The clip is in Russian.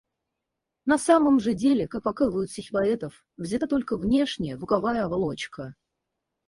На самом же деле, как показывают стихи поэтов, взята только внешняя, звуковая оболочка.